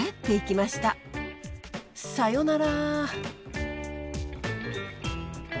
さよなら。